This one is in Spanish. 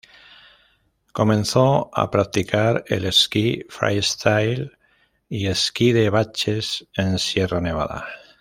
Comenzó a practicar el esquí freestyle y esquí de baches en Sierra Nevada.